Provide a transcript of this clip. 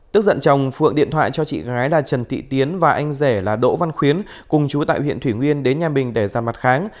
tức giận chồng phượng điện thoại cho chị gái là trần thị tiến và anh rể là đỗ văn khuyến cùng chú tại huyện thủy nguyên đến nhà bình để giàn mặt kháng